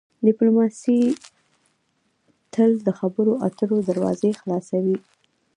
ډیپلوماسي تل د خبرو اترو دروازې خلاصوي.